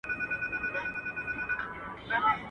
o دنيا دوې ورځي ده.